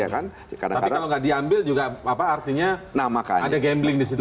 tapi kalau nggak diambil juga apa artinya ada gambling di situ